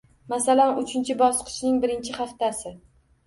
Masalan, uchinchi bosqichning birinchi haftasi